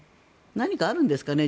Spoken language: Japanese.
何かあるんですかね？